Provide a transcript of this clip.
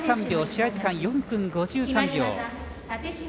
試合時間４分５３秒。